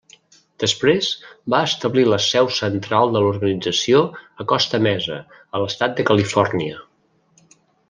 Després va establir la seu central de l'organització a Costa Mesa, a l'Estat de Califòrnia.